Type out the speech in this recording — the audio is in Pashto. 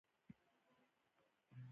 که پښتو مړه شي نو پښتون به هم مړ شي.